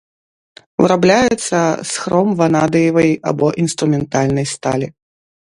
Вырабляецца з хром ванадыевай або інструментальнай сталі.